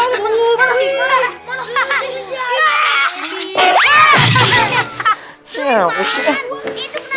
ini padahal tidur